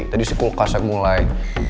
tadi si kulkas yang mulai